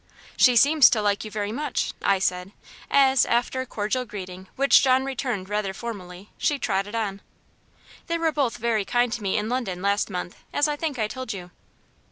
"She seems to like you very much," I said; as, after a cordial greeting, which John returned rather formally, she trotted on. "They were both very kind to me in London, last month, as I think I told you."